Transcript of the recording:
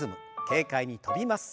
軽快に跳びます。